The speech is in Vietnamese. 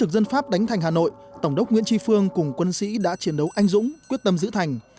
dân pháp đánh thành hà nội tổng đốc nguyễn tri phương cùng quân sĩ đã chiến đấu anh dũng quyết tâm giữ thành